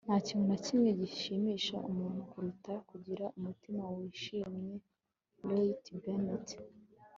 nta kintu na kimwe gishimisha umuntu kuruta kugira umutima wishimye. - roy t. bennett